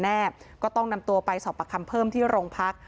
ไปนำตัวสอบประคำสำเร็จ